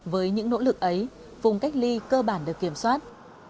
với những nỗ lực ấy vùng cách ly cơ bản được kiểm soát